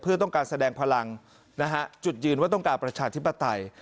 เพื่อต้องการแสดงพลังนะฮะจุดยืนว่าต้องการประชาธิปไตย